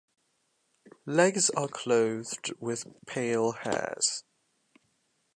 Legs are clothed with pale hairs.